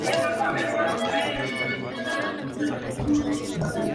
Es curiosa la forma inusual con la que Pasinetti abre el libro.